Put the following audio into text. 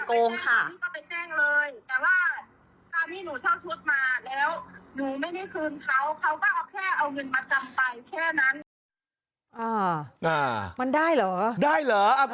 แบบนี้มันไม่ได้ค่ะถ้าไม่คืนอ่ะเขาเรียกว่ายักยอกทรัพย์หรือโกงค่ะ